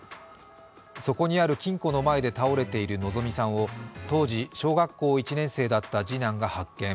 そこにある金庫の前で倒れている希美さんを当時小学校１年生だった次男が発見。